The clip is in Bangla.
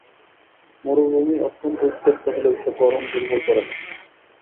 মরুভূমি অত্যন্ত উত্তপ্ত হলেও সে গরম দুর্বল করে না।